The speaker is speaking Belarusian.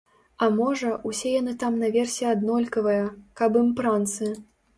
А можа, усе яны там наверсе аднолькавыя, каб ім пранцы.